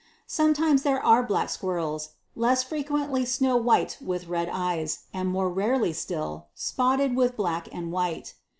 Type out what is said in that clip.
Sometimes there are black squirrels ; less frequently snow white with red eyes ; and more rarely still, spotted with black and white.